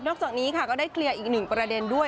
จากนี้ค่ะก็ได้เคลียร์อีกหนึ่งประเด็นด้วย